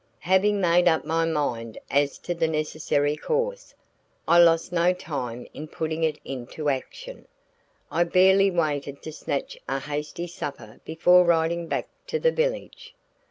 Having made up my mind as to the necessary course, I lost no time in putting it into action. I barely waited to snatch a hasty supper before riding back to the village.